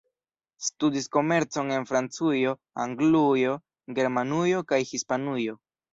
Studis komercon en Francujo, Anglujo, Germanujo kaj Hispanujo.